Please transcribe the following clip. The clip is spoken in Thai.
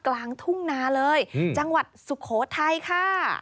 กลางทุ่งนาเลยจังหวัดสุโขทัยค่ะ